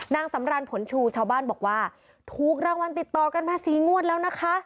นางสำรานผลชูชาวบ้านบอกว่าถูกรางวัลติดต่อกันมาสี่งวดแล้วนะคะ